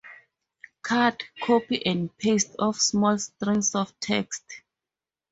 Cut, Copy and Paste of small strings of text.